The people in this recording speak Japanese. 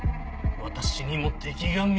私にも敵が見え。